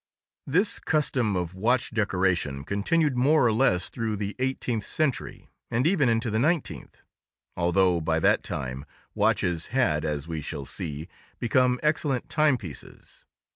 This custom of watch decoration continued more or less through the eighteenth century, and even into the nineteenth, although, by that time, watches had, as we shall see, become excellent timepieces.